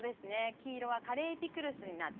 黄色はカレーピクルスになってます。